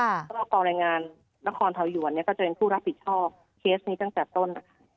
แล้วก็กองแรงงานนครเถาหยวนเนี่ยก็จะเป็นผู้รับผิดชอบเคสนี้ตั้งแต่ต้น